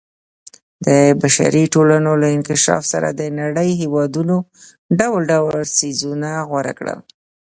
د بشري ټولنو له انکشاف سره د نړۍ هېوادونو ډول ډول څیزونه غوره کړل.